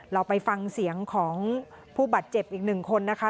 เราไปฟังเสียงของผู้บาดเจ็บอีกหนึ่งคนนะคะ